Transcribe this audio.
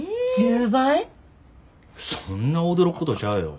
そんな驚くことちゃうやろ。